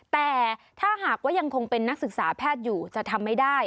แต่ถ้าหากว่ายังคงเป็นนักศึกษาแพทย์อยู่จะทำไม่ได้